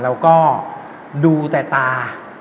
เราก็ดูแต่ตา